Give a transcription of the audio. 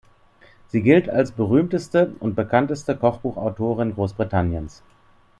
Sie gilt als berühmteste und bekannteste Kochbuchautorin Großbritanniens.